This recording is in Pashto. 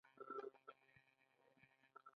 په دغې سیمه کې مو یوه شپه وکړه.